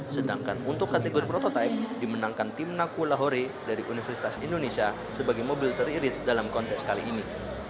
sedangkan untuk kategori prototipe dimenangkan tim naku lahore dari universitas indonesia sebagai mobil teririt dalam kontes kali ini